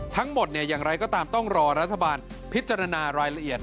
ทั้งหมดเนี่ยอย่างไรก็ตามต้องรอรัฐบาลพิจารณารายละเอียด